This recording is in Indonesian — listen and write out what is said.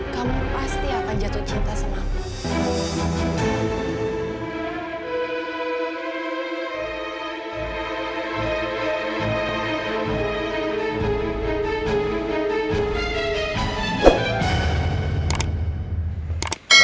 kamu pasti akan jatuh cinta sama aku